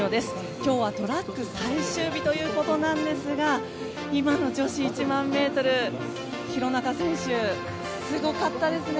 今日はトラック最終日ということなんですが今の女子１００００ｍ廣中選手、すごかったですね。